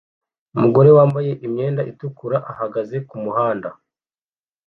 Umugore wambaye imyenda itukura ahagaze kumuhanda